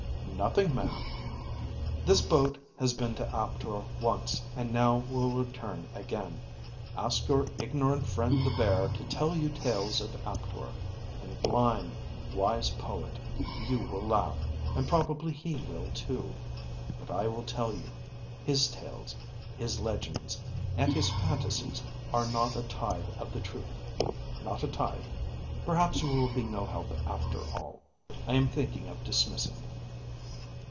"Nothing, ma'am." "This boat has been to Aptor once and now will return again. Ask your ignorant friend the Bear to tell you tales of Aptor; and blind, wise poet, you will laugh, and probably he will, too. But I will tell you: his tales, his legends, and his fantasies are not a tithe of the truth, not a tithe. Perhaps you will be no help after all. I am thinking of dismissing you."